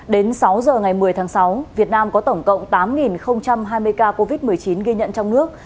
đến sáu giờ ngày một mươi tháng sáu việt nam có tổng cộng tám hai mươi ca covid một mươi chín ghi nhận trong nước